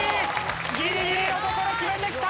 ギリギリのところ決めてきた！